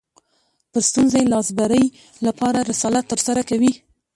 پر ستونزې لاسبري لپاره رسالت ترسره کوي